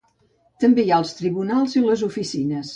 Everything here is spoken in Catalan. També hi ha els tribunals i les oficines.